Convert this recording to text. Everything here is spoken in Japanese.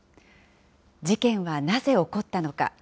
事件はなぜ起こったのか。